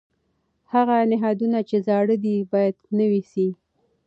هغه نهادونه چې زاړه دي باید نوي سي.